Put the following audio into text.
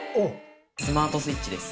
スマートスイッチです。